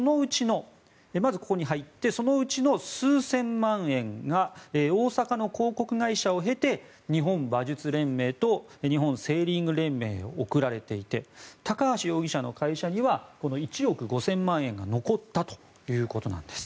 まずここに入ってそのうちの数千万円が大阪の広告会社を経て日本馬術連盟と日本セーリング連盟に送られていて高橋容疑者の会社には１億５０００万円が残ったということなんです。